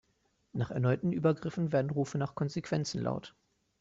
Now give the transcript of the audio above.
Nach erneuten Übergriffen werden Rufe nach Konsequenzen laut.